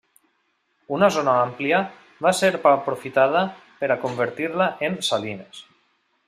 Una zona àmplia va ser aprofitada per a convertir-la en salines.